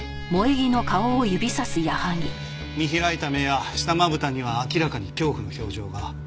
見開いた目や下まぶたには明らかに恐怖の表情が。